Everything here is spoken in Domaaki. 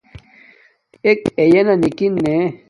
اݵکݺ اݵیݳ نِکِن نݺ؟